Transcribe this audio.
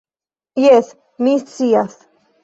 "Jes, mi scias."